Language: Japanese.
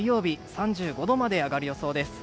３５度まで上がる予想です。